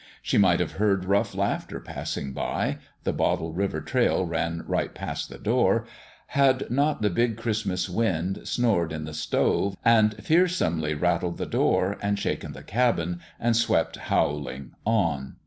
She might have heard rough laughter passing by the Bottle River trail ran right past The WISTFUL HEART 85 the door had not the big Christmas wind snored in the stove, and fearsomely rattled the door, and shaken the cabin, and swept howling on.